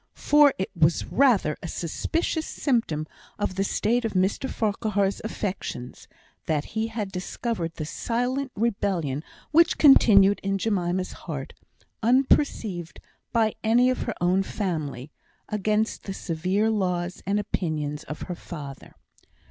For it was rather a suspicious symptom of the state of Mr Farquhar's affections, that he had discovered the silent rebellion which continued in Jemima's heart, unperceived by any of her own family, against the severe laws and opinions of her father.